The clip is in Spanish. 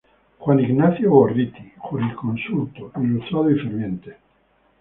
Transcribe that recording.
Juan Ignacio Gorriti, jurisconsulto, ilustrado y ferviente.